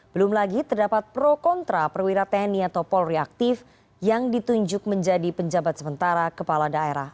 belum lagi terdapat pro kontra perwira tni atau polri aktif yang ditunjuk menjadi penjabat sementara kepala daerah